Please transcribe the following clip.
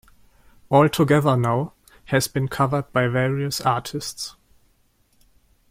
"All Together Now" has been covered by various artists.